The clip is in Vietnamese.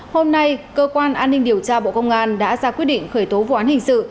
hôm nay cơ quan an ninh điều tra bộ công an đã ra quyết định khởi tố vụ án hình sự